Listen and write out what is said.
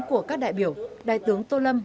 của các đại biểu đại tướng tô lâm